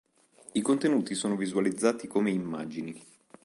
I contenuti sono visualizzati come immagini.